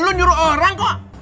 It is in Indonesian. lo nyuruh orang kok